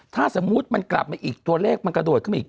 ถ้าสมมุติมันกลับมาอีกตัวเลขมันกระโดดขึ้นมาอีก